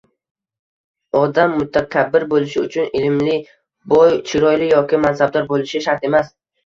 Odam mutakabbir bo‘lishi uchun ilmli, boy, chiroyli yoki mansabdor bo‘lishi shart emas.